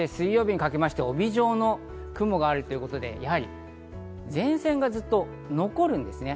水曜日にかけて帯状の雲があるということで、やはり前線がずっと残るんですね。